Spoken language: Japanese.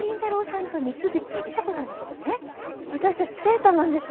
私たち生徒なんです。